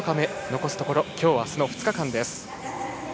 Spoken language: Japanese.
残すところ、今日とあすの２日間です。